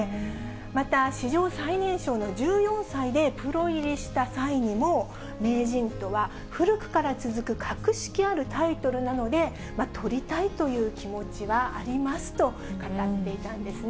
また、史上最年少の１４歳でプロ入りした際にも、名人とは古くから続く格式あるタイトルなので、取りたいという気持ちはありますと語っていたんですね。